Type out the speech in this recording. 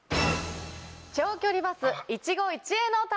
長距離バス一期一会の旅！